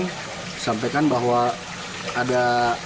disampaikan bahwa ada